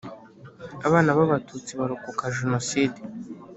abana b Abatutsi barokoka jenoside